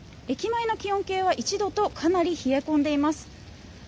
駅前の気温計は１度とかなり冷え込んでいます。